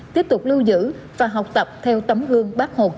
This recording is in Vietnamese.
tiếp tục lưu giữ và học tập theo tấm gương bác hồ kính yêu